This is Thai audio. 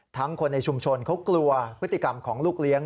คนในชุมชนเขากลัวพฤติกรรมของลูกเลี้ยง